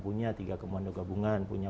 punya tiga komando gabungan punya